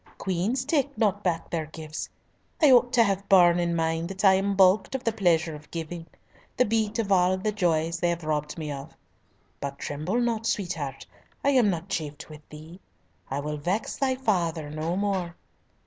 Queens take not back their gifts. I ought to have borne in mind that I am balked of the pleasure of giving—the beat of all the joys they have robbed me of. But tremble not, sweetheart, I am not chafed with thee. I will vex thy father no more.